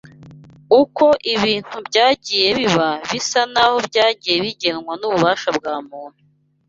uko ibintu byagiye biba bisa n’aho byagiye bigenwa n’ububasha bwa muntu